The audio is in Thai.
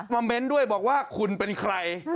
เม้นต์ด้วยบอกว่าคุณเป็นใคร